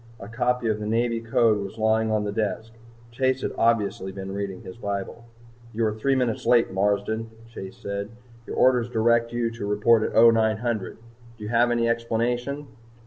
A copy of the Navy Code was lying on the desk. Chase had obviously been reading his bible. "You are three minutes late, Marsden," Chase said. "Your orders direct you to report at 0900. Do you have any explanation?"